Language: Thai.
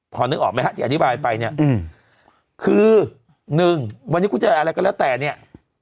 พอนึกออกไหมฮะที่อธิบายไปเนี่ยคือหนึ่งวันนี้คุณจะอะไรก็แล้วแต่เนี่ย